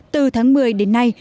từ tháng một mươi đến nay